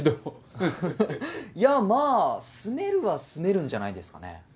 はははっいやまあ住めるは住めるんじゃないですかね。